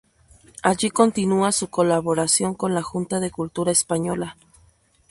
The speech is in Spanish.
Allí continúa su colaboración con la Junta de Cultura Española.